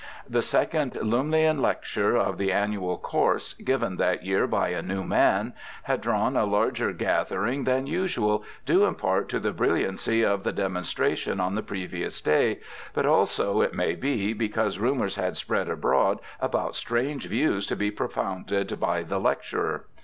The second Lumleian Lecture of the annual course, given that year by a new man, had drawn a larger gathering than usual, due in part to the brilliancy of the demon stration on the previous day, but also it may be because rumours had spread abroad about strange views to be propounded by the lecturer.